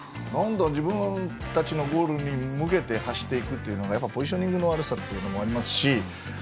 自分たちのゴールに向けて走っていくというのでポジショニングの悪さもありますし。